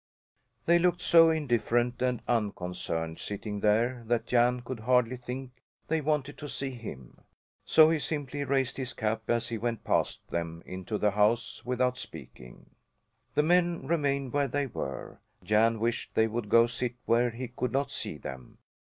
They looked so indifferent and unconcerned sitting there that Jan could hardly think they wanted to see him; so he simply raised his cap as he went past them into the house, without speaking. The men remained where they were. Jan wished they would go sit where he could not see them.